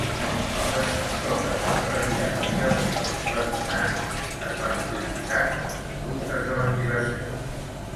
Els ascensors es van retirar i els eixos redundants es van utilitzar com a conductes de ventilació.